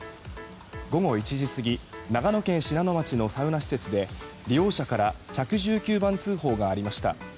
午後１時過ぎ長野県信濃町のサウナ施設で利用者から１１９番通報がありました。